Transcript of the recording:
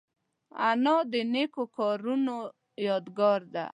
انا د نیکو کارونو یادګار ده